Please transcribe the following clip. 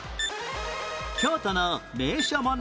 京都の名所問題